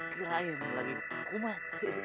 keraim lagi kumat